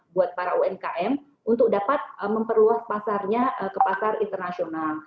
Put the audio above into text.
buat para umkm untuk dapat memperluas pasarnya